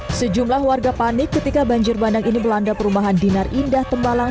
hai sejumlah warga panik ketika banjir bandang ini berlanda perumahan dinar indah tembalang